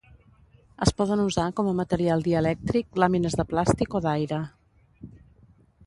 Es poden usar com a material dielèctric làmines de plàstic o d'aire.